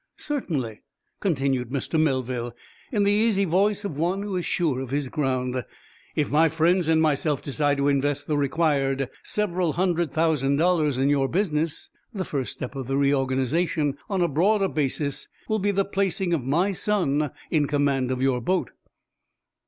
"Certainly," continued Mr. Melville, in the easy voice of one who is sure of his ground. "If my friends and myself decide to invest the required several hundred thousand dollars in your business, the first step of the reorganization on a broader basis will be the placing of my son in command of your boat."